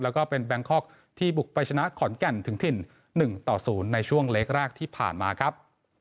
แล้วก็เป็นแบงคอกที่บุกไปชนะขอนแก่นถึงถิ่น๑ต่อ๐ในช่วงเล็กแรกที่ผ่านมาครับ